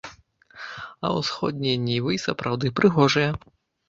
А ўсходнія нівы і сапраўды прыгожыя.